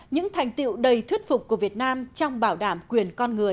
những thành tiệu đầy thuyết phục của việt nam trong bảo đảm quyền con người